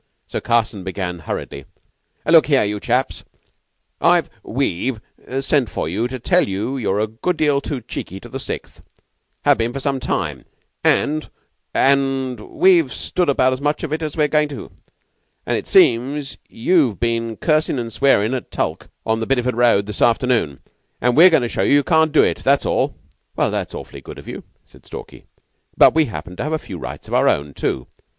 So Carson began hurriedly: "Look here, you chaps, I've we've sent for you to tell you you're a good deal too cheeky to the Sixth have been for some time and and we've stood about as much as we're goin' to, and it seems you've been cursin' and swearin' at Tulke on the Bideford road this afternoon, and we're goin' to show you you can't do it. That's all." "Well, that's awfully good of you," said Stalky, "but we happen to have a few rights of our own, too.